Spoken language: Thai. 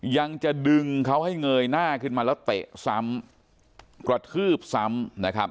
ยังจะดึงเขาให้เงยหน้าขึ้นมาแล้วเตะซ้ำกระทืบซ้ำนะครับ